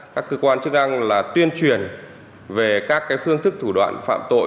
các cơ quan chức năng tuyên truyền về các phương thức thủ đoạn phạm tội